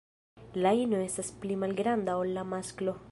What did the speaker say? La ino estas pli malgranda ol la masklo.